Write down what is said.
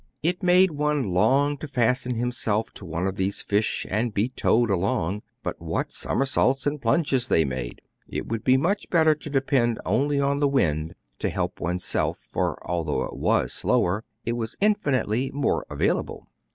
It made one long to fasten himself to one of these fish and be towed along. But what somersaults and plunges they made ! It would be much better to depend only on the wind to help one*s self ; for, although it was slower, it was in finitely more available.